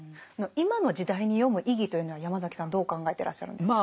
今の時代に読む意義というのはヤマザキさんどう考えてらっしゃるんですか？